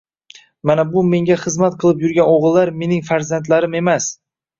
Mana bu menga xizmat qilib yurgan o`g`illar mening farzandlarim emas